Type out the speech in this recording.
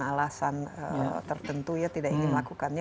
alasan tertentu ya tidak ingin melakukannya